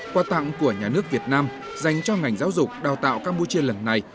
quà tặng của nhà nước việt nam dành cho ngành giáo dục đào tạo campuchia lần này